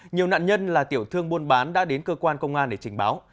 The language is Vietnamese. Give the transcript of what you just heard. nhiều nạn nhân là tiểu thương buôn bán đã đến cơ quan công an để trình báo